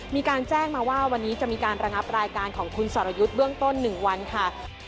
มีการแจ้งมาว่าวันนี้จะมีการระงับรายการของคุณสรยุทธ์เบื้องต้น๑วันค่ะ